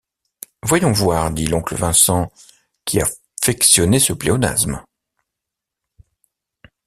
Voyons voir, dit l’oncle Vincent, qui affectionnait ce pléonasme.